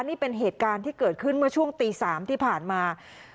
นี่เป็นเหตุการณ์ที่เกิดขึ้นเมื่อช่วงตี๓ที่ผ่านมา